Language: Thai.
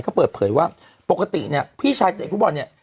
เขาเปิดเผยว่าปกติเนี่ยพี่ชายเตะฟุตบอลเนี่ย